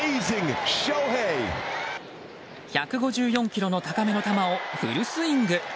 １５４キロの高めの球をフルスイング！